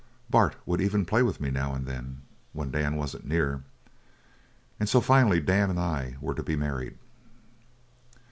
Bart would even play with me now and then when Dan wasn't near. And so finally Dan and I were to be married.